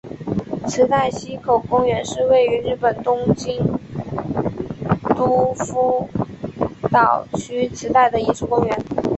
池袋西口公园是位于日本东京都丰岛区池袋的一处公园。